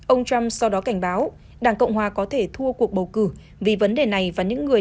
ông trump sau đó cảnh báo đảng cộng hòa có thể thua cuộc bầu cử vì vấn đề này và những người